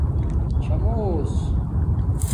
چھامݳسس